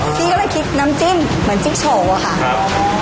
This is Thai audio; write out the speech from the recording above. ทีก็เลยคิดน้ำจิ้มเหมือนจิ๊กโฉ่ค่ะ